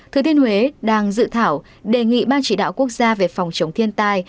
thừa thiên huế đang dự thảo đề nghị ban chỉ đạo quốc gia về phòng chống thiên tai